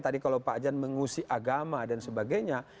tadi kalau pak jan mengusik agama dan sebagainya